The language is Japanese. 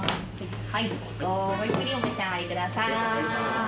はいごゆっくりお召し上がりください